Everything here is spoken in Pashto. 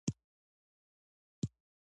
بې مسؤلیته لیکنه جرم دی.